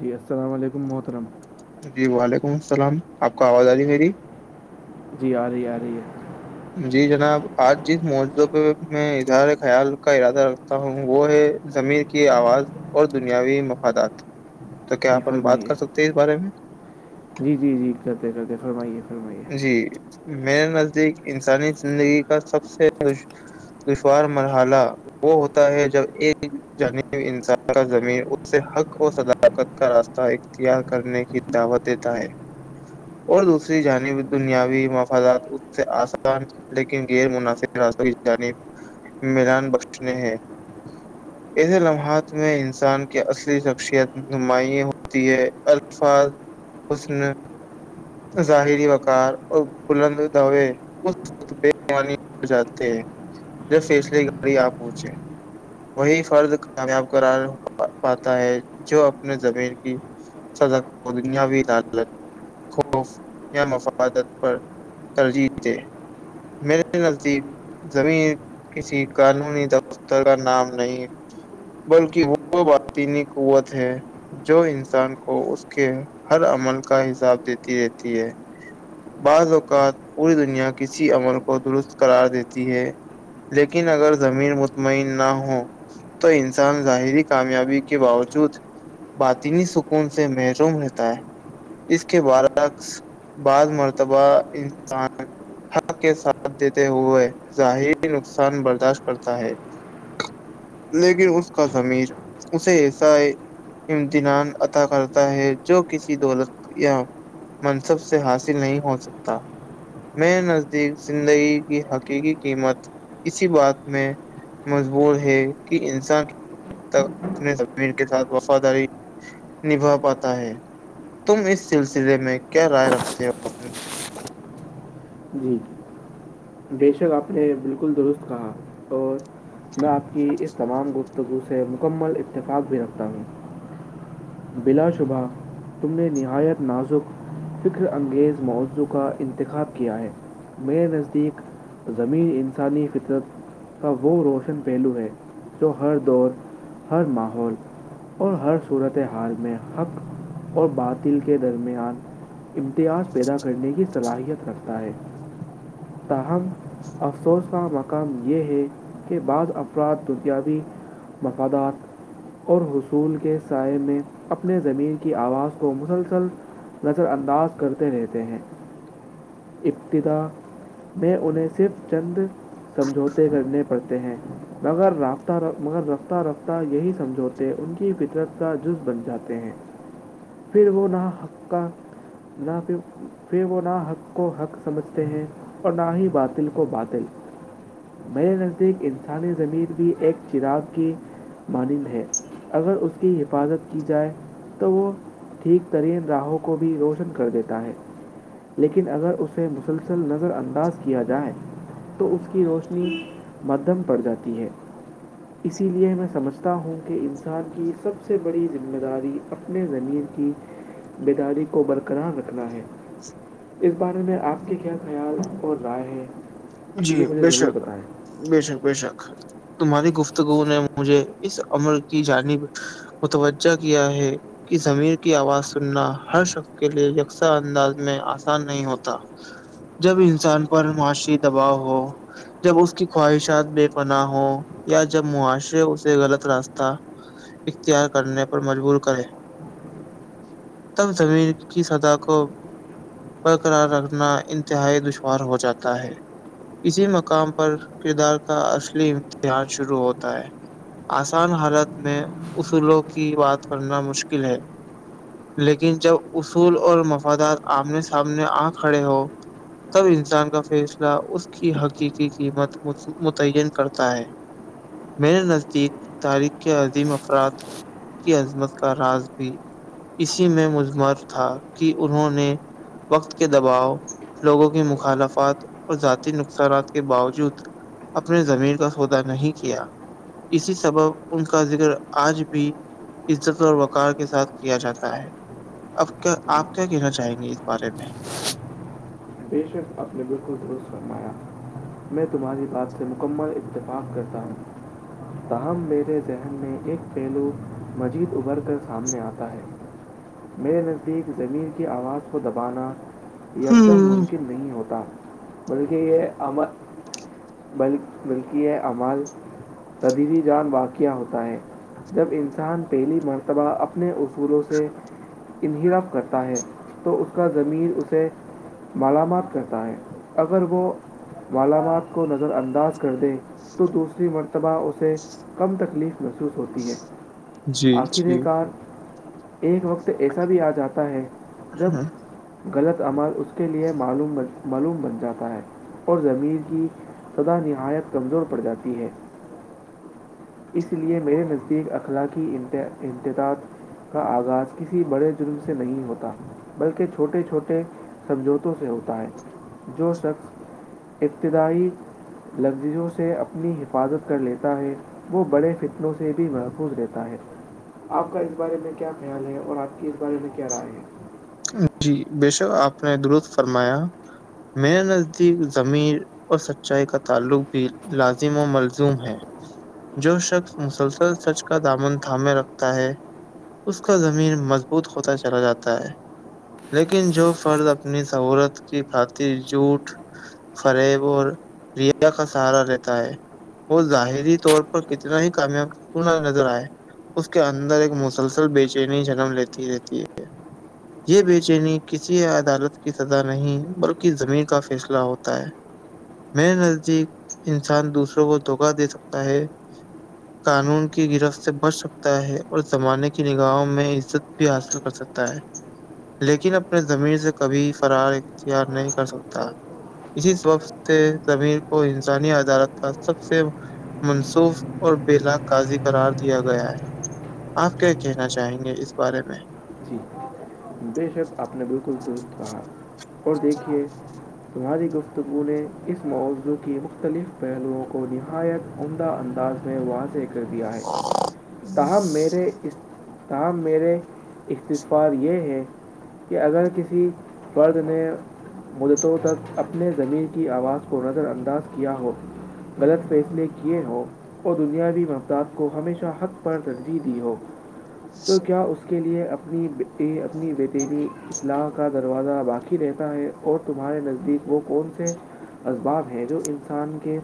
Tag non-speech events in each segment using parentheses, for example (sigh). جی السلام علیکم محترم جی وعلیکم السلام آپ کا آواز آ رہی ہے میری جی آ رہی ہے آ رہی ہے جی جناب آج جس موضوع پہ میں اظہار خیال کا ارادہ رکھتا ہوں وہ ہے زمیر کی آواز اور دنیاوی مفادات تو کیا جی اپن بات فرمائیے کر سکتے ہیں اس بارے میں جی جی جی کرتے کرتے فرمائیے فرمائیے جی میرے نزدیک انسانی زندگی کا سب سے دشوار مرحلہ وہ ہوتا ہے جب ایک جانب انسان کا زمین اس سے حق اور سدا (unintelligible) طاقت کا راستہ اختیار کرنے کی دعوت دیتا ہے اور دوسری جانب دنیاوی مفادات اس سے آس لیکن غیر مناسب راستوں کی جانب ملان بخشنے ہے (unintelligible) (inaudible) (inaudible) ایسے لمحات میں انسان کی اصلی شخصیت نماں ہوتی ہے الفاظ اس نے (unintelligible) ظاہری وقار اور بلند دے بے ہو جاتے ہیں جب فیصلے گاڑی آ پہنچے (unintelligible) وہی فرد کامیاب کرار پاتا ہے جو اپنے زمین کی دنیا بھی ل (unintelligible) خ یا مفادت پر ترجیح دے میرے نذیب (unintelligible) زمین کسی قانونی وستا کا نام نہیں بلکہ وہ باطینی قوت ہے (unintelligible) جو انسان کو اس کے ہر عمل کا حساب دیتی رہتی ہے بعض اوقات پوری دنیا کسی عمل کو درست کررار دیتی ہے لیکن اگر زمین مطمئن نہ ہ تو انسان ظاہری کامیابی کے باوجود باطینی سکون سے محروم رہتا ہے اس کے بارے شقص بعض مرتبہ انسان حق کے ساتھ دیتے ہوئے ظاہری نقصان برداشت کرتا ہے لیکن اس کا ضمیر اسے ایسا ہے امتنان عطا کرتا ہے جو کسی دولت یا منصب سے حاصل نہیں ہو سکتا میں نزدیک زندگی کی حقیقی قیمت اسی بات میں مجبور ہے کہ انسان تک اپنے زمین کے ساتھ وفاداری نبھا پاتا ہے تم اس سلسلے میں کیا رائے رکھتے ہو اپنی جی بے شک آپ نے بالکل درست کہا اور میں آپ کی اس تمام گ توگو اسے مکمل اتفاق بھی رکھتا ہوں بلا شبہ تم نے نہایت نازک فکر انگیز موضوع کا انتخاب کیا ہے میرے نزدیک زمین انسانی فطرت کا وہ روشن پہلو ہے جو ہر دور ہر ماحول اور ہر صورت حال میں حق اور باطل کے درمیان امتیاز پیدا کرنے کی صلاحیت رکتا ہے تاہم افسوس کا مقام یہ ہے کہ بعض افراد دنیاوی مفادات اور حصول کے سائے میں اپنے زمین کی آواز کو مسلسل نظر انداز کرتے رہتے ہیں ابتد میں انہیں صرف چند سمجھوتے کرنے پڑتے ہیں مگر رابطہ ر مگر رفتہ رفتہ یہی سمجھوتے ان کی فطرت کا جز بن جاتے ہیں پھر وہ نہ حکا نہ پ پھر وہ نہ حکا سمجھتے ہیں اور نہ ہی بااتل کو بااتل میرے نزدیک انسانی زمیر بھی ایک چراغ کی مانند ہے اگر اس کی حفاظت کی جائے تو وہ ٹھیک ترین راہوں کو بھی روشن کر دیتا ہے لیکن اگر اسے مسلسل نظر انداز کیا جائے تو اس کی روشنی مدھم پڑ جاتی ہے (inaudible) اسی لیے میں سمجھتا ہوں کہ انسان کی سب سے بڑی ذمہ داری اپنے میر کی بیداری کو برقرار رکھنا ہے اس بارے میں آپ کی کیا خیال اور رائے ہے جی یہ مجھے بے ضرور شک بتائیں بے شک بے شک تمہاری گفتگو نے مجھے اس عمل کی جانب متوجہ کیا ہے کہ زمیر کی آواز سننا ہر شخص کے لیے یکساں انداز میں آسان نہیں ہوتا جب انسان پر معاشی دباؤ ہو جب اس کی خواہشات بے پناہ ہوں یا جب معاشرے اسے غلط راستہ اختیار کرنے پر مجبور کریں تب زمین کی سزا کو برقرار رکھنا انتہائی دشوار ہو جاتا ہے اسی مقام پر کردار کا اصلی امتحان شروع ہوتا ہے آسان حالت میں اصولوں کی بات کرنا مشکل ہے لیکن جب اصول اور مفادات آمنے سامنے آ کھڑے ہو تب انسان کا فیس اس کی حقیقی قیمت متعین کرتا ہے میرے نزدیک تاریخ کے عظیم افراد کی عظمت کا راز بھی اسی میں مجمر تھا کہ انہوں نے وقت کے دباؤ لوگوں کی مخالفات اور ذاتی نقصانات کے باوجود اپنے زمیر کا سودا نہیں کیا اسی سبب ان کا ذکر آج بھی عزت اور وقار کے ساتھ کیا جاتا ہے اب کیا آپ کیا کہنا چاہیں گے اس بارے میں بے شک اپنے بل کل درست فرمایا میں تمہاری بات سے مکمل اتفاق کرتا ہوں تاہم میرے ذہن میں ایک پہلو مزید ابھر کر سامنے آتا ہے میرے نزدیک زمین کی آواز کو دبانا یک دم من ہوں مشکل نہیں ہوتا بلکہ یہ ام بلکہ یہ امال تدیبی جان واقعہ ہوتا ہے جب انسان پہلی مرتبہ اپنے اصولوں سے انہرپ کرتا ہے تو اس کا ضمیر اسے ملامات کرتا ہے اگر وہ مامات کو نظر ان انداز کر دیں تو دوسری مرتبہ اسے کم تکلیف محسوس ہوتی ہے جی آخر جی کار ایک وقت ایسا بھی آ جاتا ہے جب غلط عمل اس کے لئے معوم معلوم بن جاتا ہے اور ضمیر کی سدا نہایت کمزور پڑ جاتی ہے اس لیئے میرے نزدیک اخلاق انتدط کا آغاز کسی بڑے جرم سے نہیں ہوتا بلکہ چھوٹے چھوٹے سمجوتوں سے ہوتا ہے جو شخص ابتدائی لگزیوں سے اپنی حفاظت کر لیتا ہے وہ بڑے فتنوں سے بھی محفوظ رہتا ہے آپ کا اس بارے میں کیا خیال ہے اور آپ کی اس بارے میں کیا رائے ہے جی بے شک آپ نے درست فرمایا میرے نزدیک زمیر اور سچائی کا تعلق بھی لازم و ملزوم ہے جو شخص مسلسل سچ کا دامن تھامے رکھتا ہے اس کا ضمیر مضبوط ہوتا چلا جاتا ہے لیکن جو فرض اپنی سہولت کی خاطر جھوٹ فریب اور ریا کا سہارا رہتا ہے وہ ظاہری طور پر کتنا ہی کامیاب نظر آئے اس کے اندر ایک مسلسل بے چینی جنم لیتی رہتی ہے کہ یہ بے چینی کسی عدالت کی سزا نہیں بلکہ ضمیر کا فیصلہ ہوتا ہے میر نزدیک انسان دوسروں کو دھوکہ دے سکتا ہے قانون کی گرفت سے بچ سکتا ہے اور زمانے کی نگاہوں میں عزت بھی حاصل کر سکتا ہے لیکن اپنے زمین سے کبھی فرار اختیار نہیں کر سکتا اس وقت سے زمیر کو انسانی عدالت کا سب سے منصوخ اور بلا کاضی قرار دیا گیا ہے آپ کیا کہنا چاہیں گے اس بارے میں جی بے شک آپ نے بالکل درست کہا اور دیکھیے تمہاری گفتگو نے اس موضوع کی مختلف پہلوؤں کو نہایت عمدہ انداز میں واضح کر دیا ہے تاہم میرے اس تاہم میرے اختسفار یہ ہیں کہ اگر کسی فرد نے مدتوں تک اپنے زمین کی آواز کو نظر انداز کیا ہو غلط فیصلے کیے ہوں اور دنیاوی مفداد کو ہمیشہ حق پر ترجیح دی ہو تو کیا اس کے لئے اپنی اپنی بیتلی اطلاق کا دروازہ باقی رہتا ہے اور تمہارے نزدیک وہ کون سے اسباب ہے جو انسان کے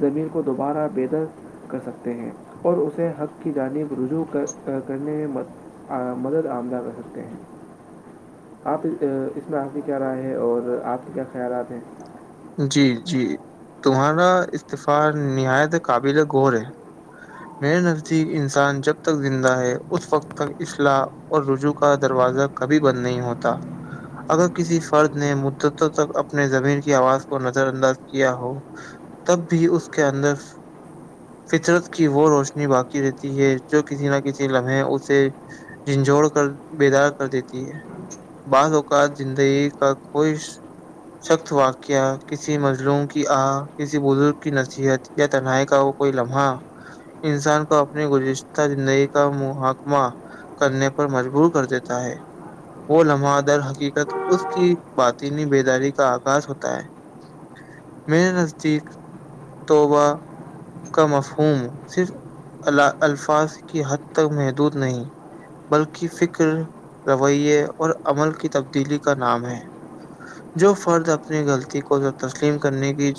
زمیر کو دوبارہ بےتر کر سکتے ہیں اور اسے حق کی جانب رجوع کر کرنے میں م مدد آمدہ رہ سکتے ہیں آپ اس میں آپ کی کیا رائے ہے اور آپ کے کیا خیالات ہیں جی جی تمہارا استعفاع نہایت قابل غور ہے میرے نزدیک انسان جب تک زندہ ہے اس وقت تک اصلاح اور رجوع کا دروازہ کبھی بند نہیں ہوتا اگر کسی فرد نے مدتوں تک اپنے ضمیر کی آواز کو نظر انداز کیا ہو تب بھی اس کے اندر فطرت کی وہ روشنی باقی رہتی ہے جو کسی نہ کسی لمحے اسے جھنجھڑ کر بیدار کر دیتی ہے بعض اوقات زندگی کا کوئی سخت واقعہ کسی مظلوم کی آ کسی بزرگ کی نصیحت یا تنہائی کا وہ کوئی لمحہ انسان کو اپنی گذشتہ زندگی کا محکمہ کرنے پر مجبور کر دیتا ہے وہ لمحہ در حقیقت اس کی باطینی بیداری کا آغاز ہوتا ہے میرے نزدیک توبہ کا مفہوم صرف الفاظ کی حد تک محدود نہیں بلکہ فکر رویے اور عمل کی تبدیلی کا نام ہے جو فرد اپنی غلطی کو تسلیم کرنے کی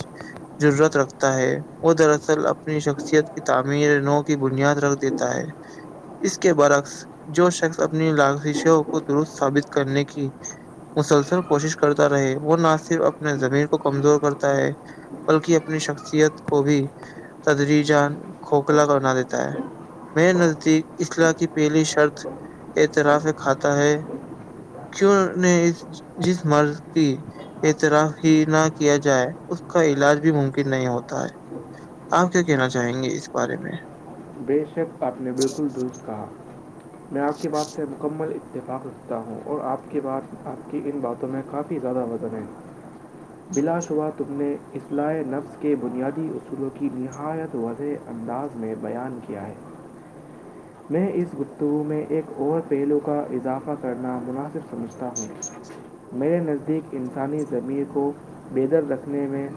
ضرورت رکھتا ہے وہ دراصل اپنی شخصیت کی تعمیر نو کی بنیاد رکھ دیتے تا ہے اس کے برعکس جو شخص اپنی لازشوں کو درست ثابت کرنے کی مسلسل کوشش کرتا رہے وہ نہ صرف اپنے زمین کو کمزور کرتا ہے بلکہ اپنی شخصیت کو بھی تدری جان کھوکھلا بنا دیتا ہے میر نزدیک اصلاح کی پہلی شرط اعتراف کھاتا ہے کیوں نے اس جس مرض کی طرح ہی نہ کیا جائے اس کا علاج بھی ممکن نہیں ہوتا ہے آپ کیا کہنا چاہیں گے اس بارے میں بے شک آپ نے بالکل درست کہا میں آپ کی بات سے مکمل اتفاق رکھتا ہوں اور آپ کی بات آپ کی ان باتوں میں کافی زیادہ وزن ہے بلا شبہ تم نے اصلاح نفس کے بنیادی اصولوں کی نہایت واضح انداز میں بیان کیا ہے (inaudible) میں اس گفتگو میں ایک اور پہلو کا اضافہ کرنا مناسب سمجھتا ہوں میرے نزدیک انسانی ضمیر کو بےتر رکھنے میں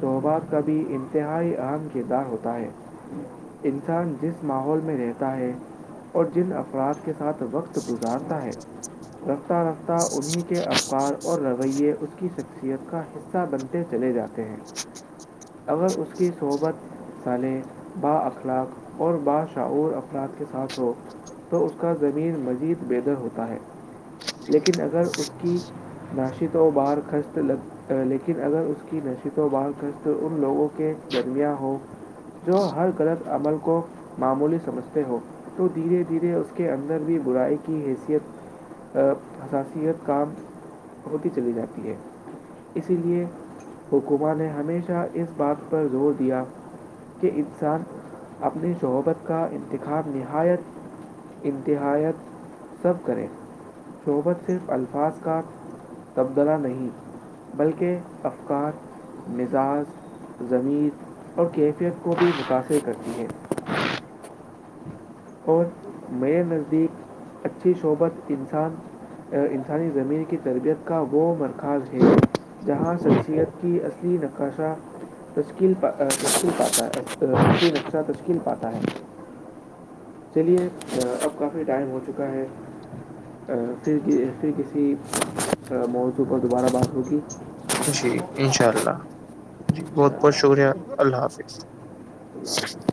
توبہ کا بھی انتہائی اہم کردار ہوتا ہے انسان جس ماحول میں رہتا ہے اور جن افراد کے ساتھ وقت گزارتا ہے رفتہ رفتہ انہیں کے افقار اور رویے اس کی شخصیت کا حصہ بنتے تے چلے جاتے ہیں (inaudible) اگر اس کی صحبت سالے با اخلاق اور باشعور افراد کے ساتھ ہو تو اس کا زمین مزید بےدر ہوتا ہے لیکن اگر اس کی ناشی تو باہر خست لگ لیکن اگر اس کی نشت و باہ کش ان لوگوں کے درمیا ہو جو ہر غلط عمل کو معمولی سمجھتے ہو تو دھیرے دھیرے اس کے اندر بھی برائی کی حیثیت حساسیت کام ہوتی چلی جاتی ہے اسی لیے حکوماں نے ہمیشہ اس بات پر زور دیا کہ انسان اپنی شحبت کا انتخاب نہایت انتہیت سب کریں شعبت صرف الفاظ کا تبدلہ نہیں بلکہ افکار مزاج زمیر اور کیفیت کو بھی متاثر کرتی ہے اور میرے نزدیک اچھی شعبت انسان انسانی ضمیر کی تربیت کا وہ مرکز ہے جہاں شخصیت کی اصلی نش تکی تشکیل پاتا اصلی نقشہ تشکیل کھل پاتا ہے چلیے اب کافی ٹائم ہو چکا ہے پھر پھر کسی موضوع پر دوبارہ بات ہوگی جی انشاء اللہ جی بہت انشاءاللہ بہت شکریہ اللہ حافظ (inaudible)